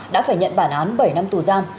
đã phải nhận bản án bảy năm tù gian